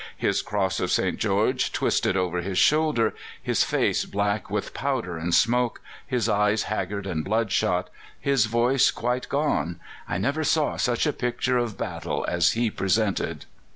His cross of St. George twisted over his shoulder, his face black with powder and smoke, his eyes haggard and bloodshot, his voice quite gone. I never saw such a picture of battle as he presented."